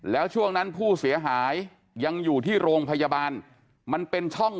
แล้วช่วงนั้นผู้เสียหายยังอยู่ที่โรงพยาบาลมันเป็นช่อง